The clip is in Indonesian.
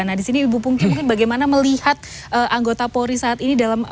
nah di sini ibu pungki mungkin bagaimana melihat anggota polri saat ini dalam